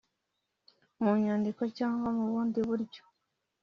mu nyandiko cyangwa mu bundi buryo